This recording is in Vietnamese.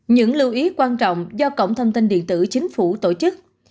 những lưu ý quan trọng do cổng thông tin điện tử chính phủ tổ chức